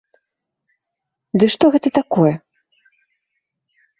Ды што гэта такое?!